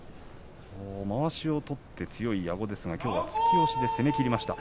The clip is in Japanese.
まわしを取って強い矢後ですがきょうは突き押しで攻めきりました。